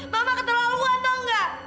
mama keteluan tau gak